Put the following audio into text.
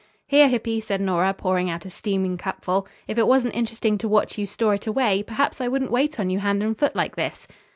"Here, Hippy," said Nora, pouring out a steaming cupful, "if it wasn't interesting to watch you store it away, perhaps I wouldn't wait on you hand and foot like this."